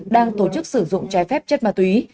đang tổ chức sử dụng trái phép chất ma túy